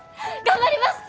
頑張ります！